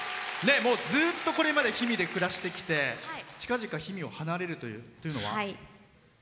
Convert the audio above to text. ずっとこれまで氷見で暮らしてきて近々氷見を離れるというのは？